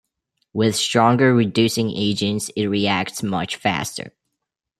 With stronger reducing agents it reacts much faster.